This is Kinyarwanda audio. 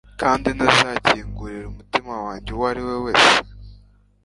kandi ntazakingurira umutima wanjye uwo ari we wese